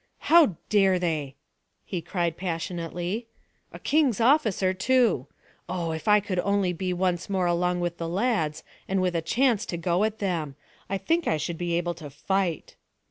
"How dare they!" he cried passionately. "A king's officer too! Oh, if I could only be once more along with the lads, and with a chance to go at them! I think I should be able to fight."